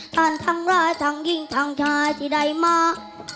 ท่านท่างรายท่างยิ่งท่างชายที่ได้มา